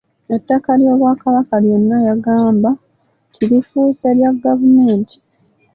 Ettaka ly'Obwakabaka lyonna yagamba nti lifuuse lya gavumenti.